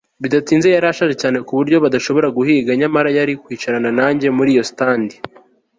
bidatinze, yarashaje cyane ku buryo adashobora guhiga, nyamara yari kwicarana nanjye muri iyo stand